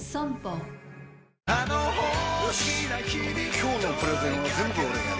今日のプレゼンは全部俺がやる！